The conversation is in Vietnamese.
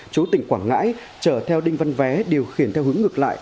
chú tỉnh quảng ngãi chở theo đinh văn vé điều khiển theo hướng ngược lại